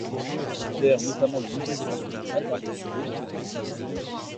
Il gère notamment le Musée départemental d'art religieux de Sées.